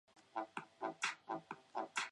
蒙大拿领地系自爱达荷领地分裂诞生。